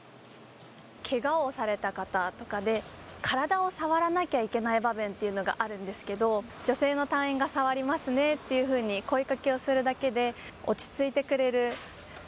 けがをされた方とかで、体を触らなきゃいけない場面っていうのがあるんですけど、女性の隊員が触りますねというふうに声かけをするだけで、落ち着いてくれる。